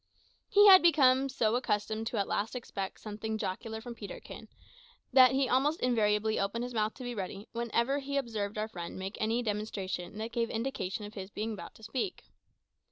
He had become so accustomed at last to expect something jocular from Peterkin, that he almost invariably opened his mouth to be ready whenever he observed our friend make any demonstration that gave indication of his being about to speak.